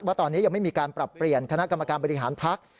ว่าตอนนี้ยังไม่มีการปรับเปลี่ยนคณะกรรมการบริหารพัก